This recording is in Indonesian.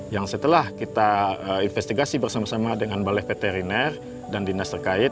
yang setelah kita investigasi bersama sama dengan balai veteriner dan dinas terkait